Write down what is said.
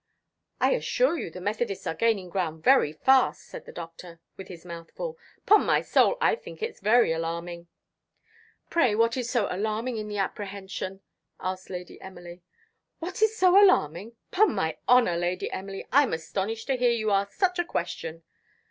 "I assure you the Methodists are gaining ground very fast," said the Doctor, with his mouth full. 'Pon my soul, I think it's very alarming!" "Pray, what is so alarming in the apprehension? asked Lady Emily. "What is so alarming! 'Pon my honour, Lady Emily, I'm astonished to hear you ask such a question!"